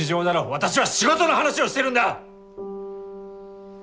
私は仕事の話をしているんだ！